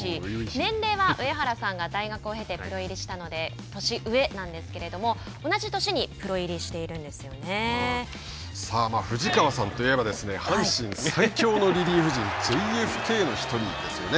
年齢は上原さんが大学を経てプロ入りしたので年上なんですけれども同じ年にプロ入りしているんです藤川さんといえば阪神最強のリリーフ陣ＪＦＫの１人ですよね。